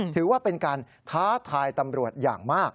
ถือว่าเป็นการท้าทายตำรวจอย่างมาก